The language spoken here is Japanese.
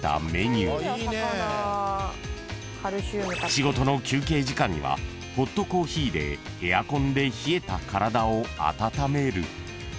［仕事の休憩時間にはホットコーヒーでエアコンで冷えた体を温める］